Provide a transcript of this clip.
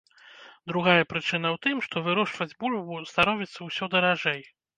Другая прычына ў тым, што вырошчваць бульбу становіцца ўсё даражэй.